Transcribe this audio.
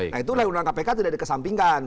nah itu undang undang kpk tidak dikesampingkan